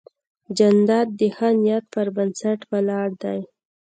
جانداد د ښه نیت پر بنسټ ولاړ دی.